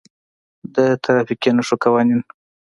د ترافیکي نښو قوانین: